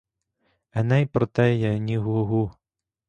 Еней про теє ні гу-гу;